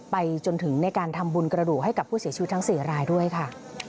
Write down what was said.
ไปจนถึงในการทำบุญกระดูกให้กับผู้เสียชีวิตทั้ง๔รายด้วยค่ะ